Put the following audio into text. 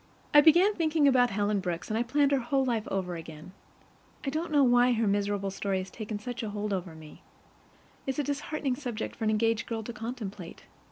I began thinking about Helen Brooks, and I planned her whole life over again. I don't know why her miserable story has taken such a hold over me. It's a disheartening subject for an engaged girl to contemplate.